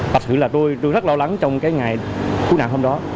thật sự là tôi rất lo lắng trong cái ngày cứu nạn hôm đó